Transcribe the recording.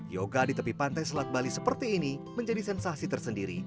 yoga di tepi pantai selat bali seperti ini menjadi sensasi tersendiri